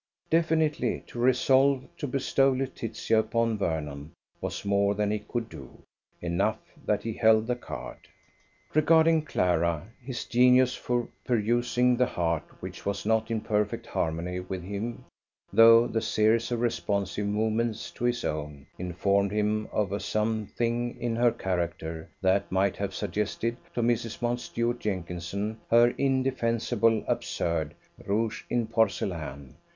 Definitely to resolve to bestow Laetitia upon Vernon was more than he could do; enough that he held the card. Regarding Clara, his genius for perusing the heart which was not in perfect harmony with him through the series of responsive movements to his own, informed him of a something in her character that might have suggested to Mrs Mountstuart Jenkinson her indefensible, absurd "rogue in porcelain".